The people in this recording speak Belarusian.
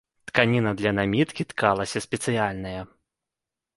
Тканіна для наміткі ткалася спецыяльная.